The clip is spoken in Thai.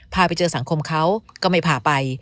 พาไปเจอสังคมเขาก็ไม่พาไป